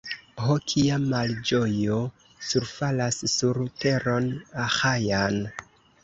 Ho, kia malĝojo surfalas sur teron Aĥajan!